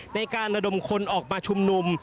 ในการระดมคนออกมาชุมนุม